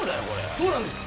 そうなんです。